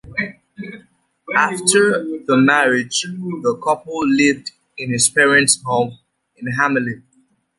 After the marriage, the couple lived in his parents' home in Hamelin.